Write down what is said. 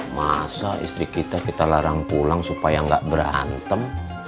masa istri kita larang pulang supaya gak berantem